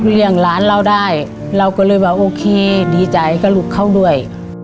เลี้ยงหลานเราได้เราก็เลยบอกโอเคดีใจก็ลูกเขาด้วย